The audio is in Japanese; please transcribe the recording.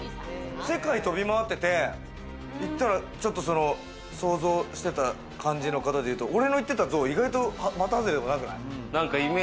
世界飛び回ってて、言ったらちょっと、その想像してた感じの方でいうと俺の言ってたのと意外と的外れでもなくない？